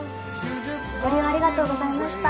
ご利用ありがとうございました。